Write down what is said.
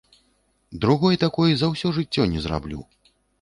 Другой такой за ўсё жыццё не зраблю.